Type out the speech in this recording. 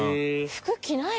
服着なよ。